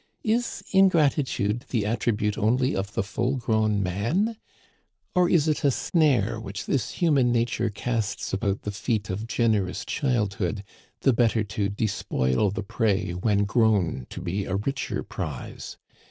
Is ingratitude the attribute only of the full grown man ? Or is it a snare which this human nature casts about the feet of generous childhood, the better to despoil the prey when grown to be a richer prize